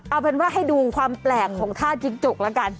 เอาเป็นว่าให้ดูความแปลกของท่าจิ๊กจกแล้วกัน